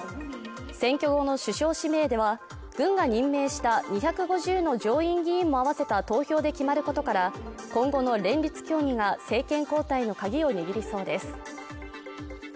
選挙後の首相指名では、軍が任命した２５０の上院議員も合わせた投票で決まることから、今後の連立協議が政権交代の鍵を握りそうです。